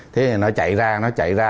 thế nó chạy ra nó chạy ra